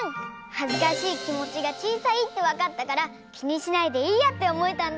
はずかしいきもちがちいさいってわかったからきにしないでいいやっておもえたんだ。